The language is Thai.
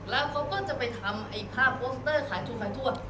แล้วก็จะไปทำไอ่ผ้าโฟสเตอร์ขายทัวร์